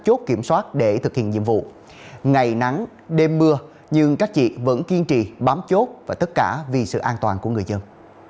chốt kiểm soát để thực hiện nhiệm vụ ngày nắng đêm mưa nhưng các chị vẫn kiên trì bám chốt và tất cả vì sự an toàn của người dân